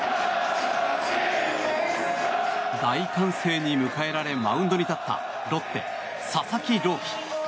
大歓声に迎えられマウンドに立ったロッテ、佐々木朗希。